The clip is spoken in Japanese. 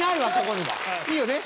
いいよね？